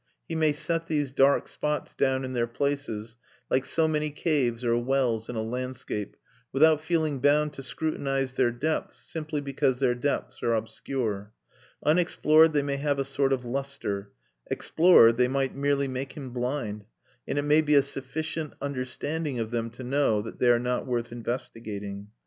He may set these dark spots down in their places, like so many caves or wells in a landscape, without feeling bound to scrutinise their depths simply because their depths are obscure. Unexplored they may have a sort of lustre, explored they might merely make him blind, and it may be a sufficient understanding of them to know that they are not worth investigating.